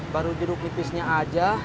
baru jeruk nipisnya aja